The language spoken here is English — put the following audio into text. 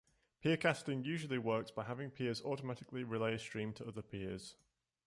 Peercasting usually works by having peers automatically relay a stream to other peers.